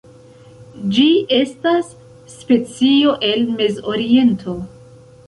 Ĝi estas specio el Mezoriento.